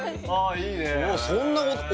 いいね